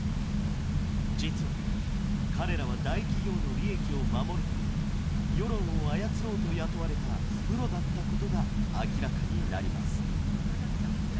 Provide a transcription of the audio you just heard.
実は彼らは大企業の利益を守るため世論を操ろうと雇われたプロだったことが明らかになります。